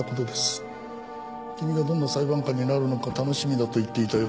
君がどんな裁判官になるのか楽しみだと言っていたよ。